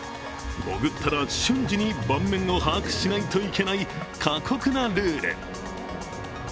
潜ったら瞬時に盤面を把握しないといけない過酷なルール。